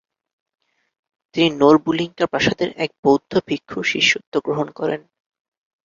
তিনি নোরবুলিংকা প্রাসাদের এক বৌদ্ধ ভিক্ষুর শিষ্যত্ব গ্রহণ করেন।